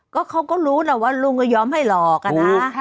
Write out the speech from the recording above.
ก็เขาก็รู้แหละว่าลุงก็ยอมให้หลอกอะนะ